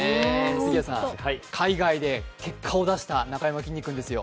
杉谷さん、海外で結果を出したなかやまきんに君ですよ。